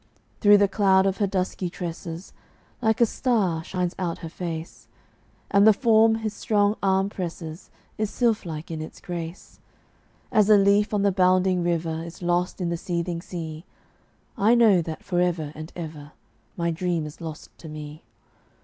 Through the cloud of her dusky tresses, Like a star, shines out her face, And the form his strong arm presses Is sylph like in its grace. As a leaf on the bounding river Is lost in the seething sea, I know that forever and ever My dream is lost to me.